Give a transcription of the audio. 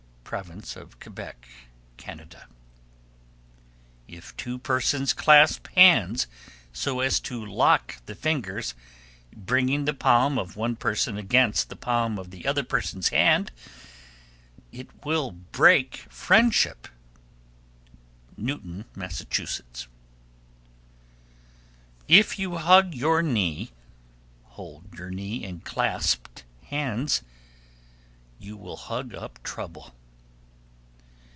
Province of Quebec, Can. 1298. If two persons clasp hands so as to lock the fingers, bringing the palm of one person against the palm of the other person's hand, it will break friendship. Newton, Mass. 1299. If you hug your knee (hold your knee in clasped hands), you will hug up trouble.